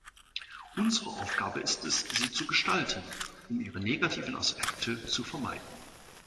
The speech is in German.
Unsere Aufgabe ist es, sie zu gestalten, um ihre negativen Aspekte zu vermeiden.